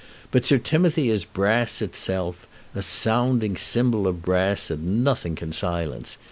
But Sir Timothy is brass itself, a sounding cymbal of brass that nothing can silence.